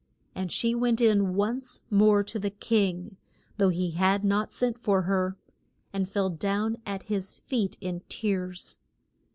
And she went in once more to the king though he had not sent for her and fell down at his feet in tears.